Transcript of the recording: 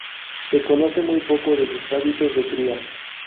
Se conoce muy poco de sus hábitos de cría.